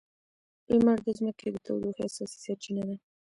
لمر د ځمکې د تودوخې اساسي سرچینه ده.